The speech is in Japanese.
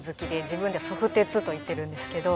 自分ではソフ鉄と言ってるんですけど。